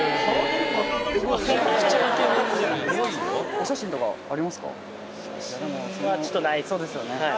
そうですよね。